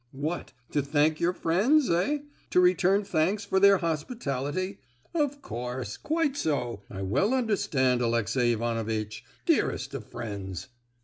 "What, to thank your friends, eh? to return thanks for their hospitality? Of course, quite so; I well understand, Alexey Ivanovitch—dearest of friends!"